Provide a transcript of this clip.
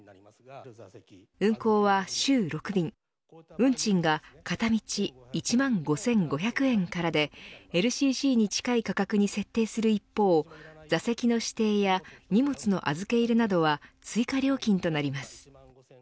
運行は週６便運賃が片道１万５５００円からでＬＣＣに近い価格に設定する一方座席の指定や荷物の預け入れなどは追加料金となります。